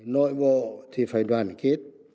nội bộ thì phải đoàn kết